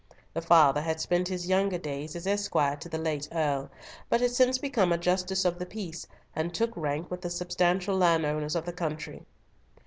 The father had spent his younger days as esquire to the late Earl, but had since become a justice of the peace, and took rank with the substantial landowners of the country.